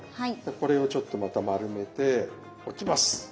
これをちょっとまた丸めて置きます。